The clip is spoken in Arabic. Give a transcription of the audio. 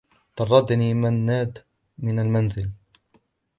طردني منّاد من المنزل.